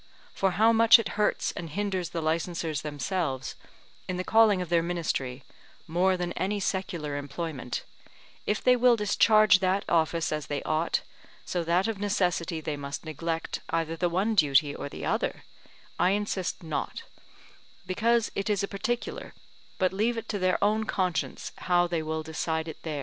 For how much it hurts and hinders the licensers themselves in the calling of their ministry, more than any secular employment, if they will discharge that office as they ought, so that of necessity they must neglect either the one duty or the other, I insist not, because it is a particular, but leave it to their own conscience, how they will decide it there.